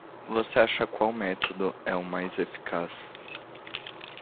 Você acha qual método é o mais eficaz?